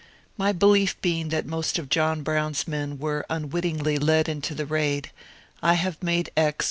My belief being that most of John Brown's men were unwittingly led into the raid, I have made X.